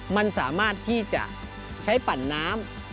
มันสามารถที่จะใช้ปั่นน้ำ